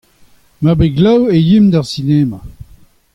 Mar bez glav ez aimp d'ar sinema.